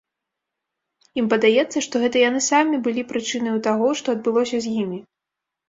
Ім падаецца, што гэта яны самі былі прычынаю таго, што адбылося з імі.